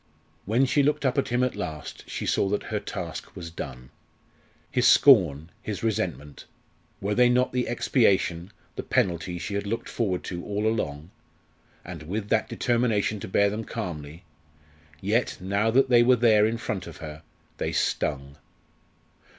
When she looked up at him at last she saw that her task was done. His scorn his resentment were they not the expiation, the penalty she had looked forward to all along? and with that determination to bear them calmly? Yet, now that they were there in front of her, they stung.